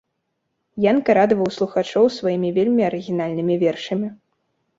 Янка радаваў слухачоў сваімі вельмі арыгінальнымі вершамі.